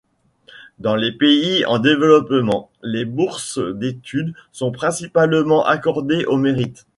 Dans les pays en développement, les bourses d'études sont principalement accordées au mérite.